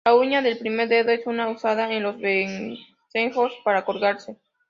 La uña del primer dedo es usada en los vencejos para colgarse.